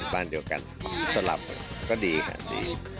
บ้านเดียวกันสลับก็ดีค่ะดี